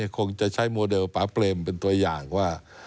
คงจะใช้โมเดลป๊าเปรมเป็นตัวอย่างว่า